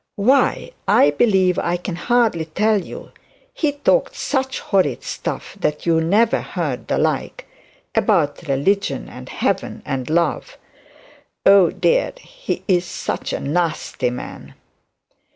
'Why, I believe I can hardly tell you. He talked such horrid stuff that you never heard the like; about religion, and heaven, and love Oh dear, he is such a nasty man.'